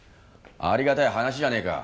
ありがたい話じゃねえか。